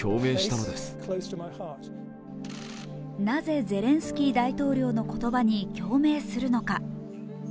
なぜ、ゼレンスキー大統領の言葉に共鳴するのか。